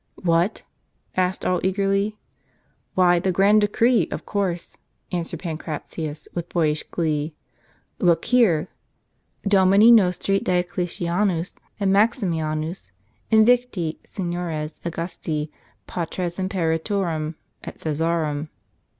" What ?" asked all eagerly. " Why, the grand decree, of course," answered Pancratius, with boyish glee ;" look here, ' Domini nostri Diocletianus et Maximlanus, invicti, seniores Augusti, patres Imperatorum et C^SARUM,' * and so forth.